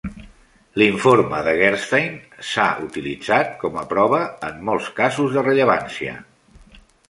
L'informe de Gerstein s'ha utilitzat com a prova en molts casos de rellevància.